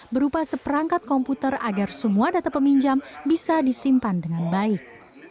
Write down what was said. berupa seperangkat komputer agar semua data peminjam bisa disimpan dengan baik